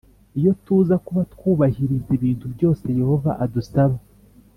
Iyo tuza kuba twubahiriza ibintu byose Yehova adusaba